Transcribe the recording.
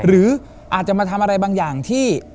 หรืออาจจะมาทำอะไรบางอย่างที่